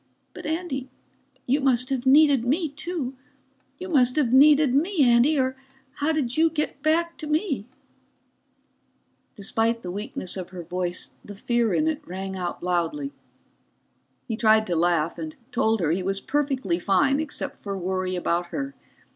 But Andy, you must have needed me, too. You must have needed me, Andy, or how did you get back to me?" Despite the weakness of her voice, the fear in it rang out loudly. He tried to laugh and told her he was perfectly fine, except for worry about her.